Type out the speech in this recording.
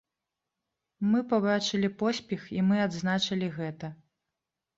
Мы пабачылі поспех і мы адзначылі гэта.